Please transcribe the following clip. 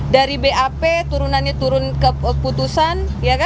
dari bap turunannya turun ke putusan